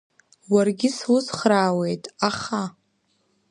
Уаргьы суцхраауеит, аха…